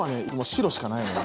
白しかないのよ